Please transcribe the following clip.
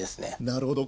なるほど。